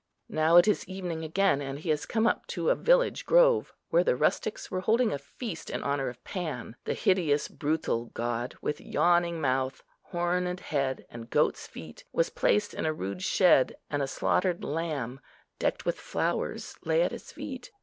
Now it is evening again, and he has come up to a village grove, where the rustics were holding a feast in honour of Pan. The hideous brutal god, with yawning mouth, horned head, and goat's feet, was placed in a rude shed, and a slaughtered lamb, decked with flowers, lay at his feet.